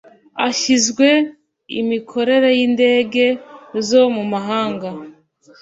Ashinzwe imikorere y’indege zo mu mahanga